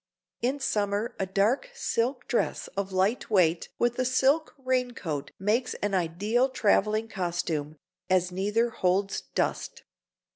In summer a dark silk dress of light weight with a silk rain coat makes an ideal traveling costume, as neither holds dust.